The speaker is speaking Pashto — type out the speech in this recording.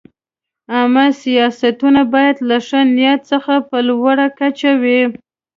عامه سیاستونه باید له ښه نیت څخه په لوړه کچه وي.